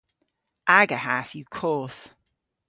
Aga hath yw koth.